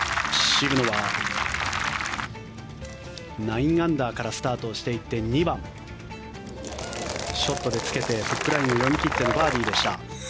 渋野は９アンダーからスタートをしていって２番ショットでつけてフックラインを読み切ってのバーディーでした。